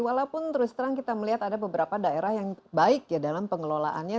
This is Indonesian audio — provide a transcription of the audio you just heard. walaupun terus terang kita melihat ada beberapa daerah yang baik ya dalam pengelolaannya